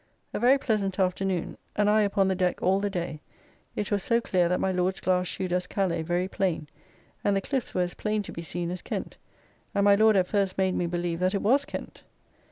A very pleasant afternoon, and I upon the deck all the day, it was so clear that my Lord's glass shewed us Calais very plain, and the cliffs were as plain to be seen as Kent, and my Lord at first made me believe that it was Kent.